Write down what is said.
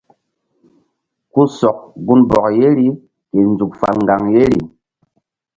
Ku sɔk gunbɔk yeri ke nzuk fal ŋgaŋ yeri.